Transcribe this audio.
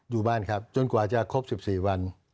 อยู่บ้านครับจนกว่าจะครบ๑๔วัน